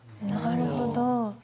なるほど！